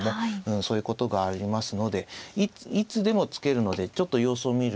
そういうことがありますのでいつでも突けるのでちょっと様子を見るかも。